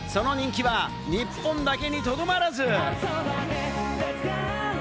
その人気は日本だけにとどまらず。